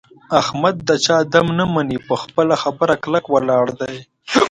احمد د چا دم نه مني. په خپله خبره کلک ولاړ دی.